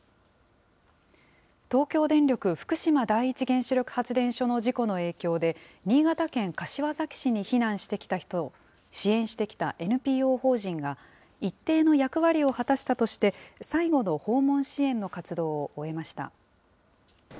東京電力福島第一原子力発電所の事故の影響で、新潟県柏崎市に避難してきた人を支援してきたＮＰＯ法人が、一定の役割を果たしたとして、最後の訪問支援の活動を終えました。